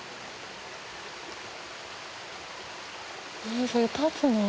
えそれ立つの？